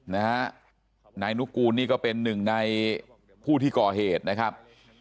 นายนุกูลนี่ก็เป็นหนึ่งในผู้ที่ก่อเหตุนะครับ